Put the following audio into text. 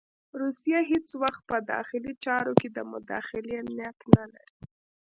روسیه هېڅ وخت په داخلي چارو کې د مداخلې نیت نه لري.